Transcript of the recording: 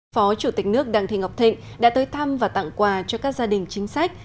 phó chủ tịch nước đặng thị ngọc thịnh đã tới thăm và tặng quà cho các gia đình chính sách